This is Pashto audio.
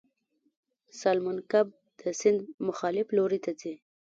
سالمن کب د سیند مخالف لوري ته ځي